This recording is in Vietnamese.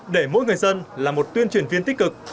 để mỗi người dân là một tuyên truyền viên tích cực